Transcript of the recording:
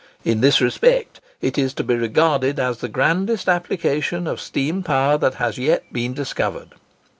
In this respect, it is to be regarded as the grandest application of steam power that has yet been discovered.